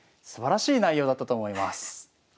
すばらしい内容だったと思います。